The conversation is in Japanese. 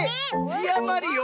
じあまりよ！